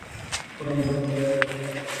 ওটা যেন ফেটে না যায়।